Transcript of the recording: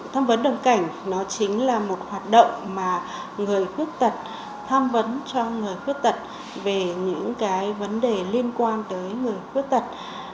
tham vấn đồng cảnh nó chính là một hoạt động mà người khuyết tật tham vấn cho người khuyết tật về những cái vấn đề liên quan tới người khuyết tật